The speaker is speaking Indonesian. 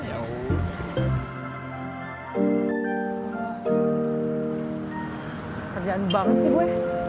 oh kerjaan banget sih gue